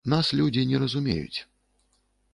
Нас людзі не зразумеюць.